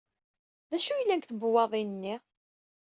D acu yellan deg tebwaḍin-nni?